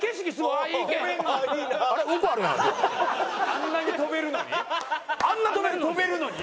あんなに飛べるのに？